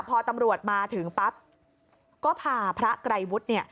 พอตำรวจมาถึงปั๊บก็พาพระไกรวุฒิ